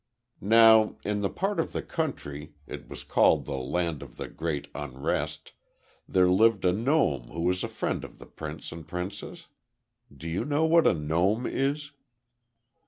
"Now in the part of the country it was called the Land of the Great Unrest there lived a gnome who was a friend of the prince and princess. Do you know what a gnome is?"